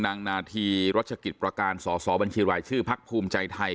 นาธีรัชกิจประการสอสอบัญชีรายชื่อพักภูมิใจไทย